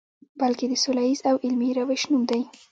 بلکې د سولیز او علمي روش نوم دی.